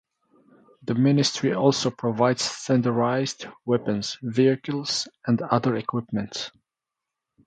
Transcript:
The ministry also provides standardized weapons, vehicles and other equipment.